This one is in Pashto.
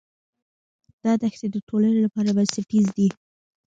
دا دښتې د ټولنې لپاره بنسټیزې دي.